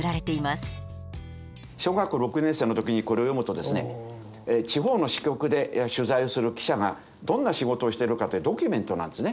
小学校６年生の時にこれを読むとですね地方の支局で取材をする記者がどんな仕事をしてるかっていうドキュメントなんですね。